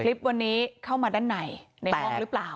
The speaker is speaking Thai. คลิปวันนี้เข้ามาด้านในในห้องหรือเปล่า